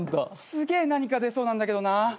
すげえ何か出そうなんだけどな。